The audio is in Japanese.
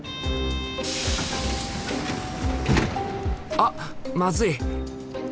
あっまずい！